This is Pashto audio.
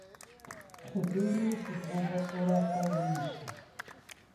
خو دوی یې په دوو برخو راته ویشي.